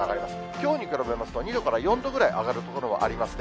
きょうに比べますと２度から４度ぐらい上がる所もありますね。